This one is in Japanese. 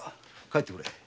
帰ってくれ。